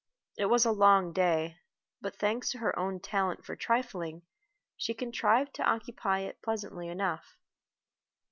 It was a long day, but thanks to her own talent for trifling, she contrived to occupy it pleasantly enough.